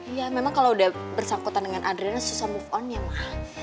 iya memang kalo udah bersangkutan dengan adriana susah move onnya ma